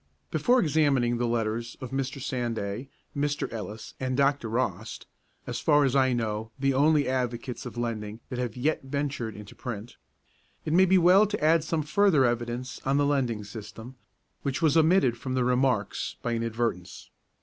Before examining the letters of Mr. Sanday, Mr. Ellis, and Dr. Rost (as far as I know the only advocates of lending that have yet ventured into print), it may be well to add some further evidence on the lending system, which was omitted from the 'Remarks' by inadvertence.